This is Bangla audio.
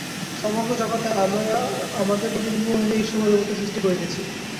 সমগ্র জগতে আমরা আমাদের প্রতিবিম্ব অনুযায়ী ঈশ্বর বা দেবতা সৃষ্টি করিতেছি।